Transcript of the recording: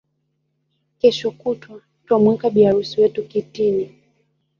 Kesho kutwa twamuweka bi harusi wetu kitini